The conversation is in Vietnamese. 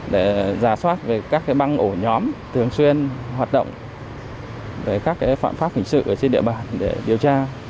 để giả soát về các băng ổ nhóm thường xuyên hoạt động về các phạm pháp hình sự ở trên địa bàn để điều tra